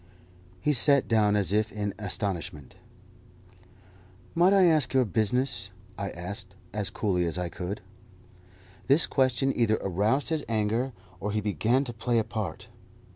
He sat down as if in astonishment. "Might I ask your business?" I asked as coolly as I could. This question either aroused his anger, or he began to play a part.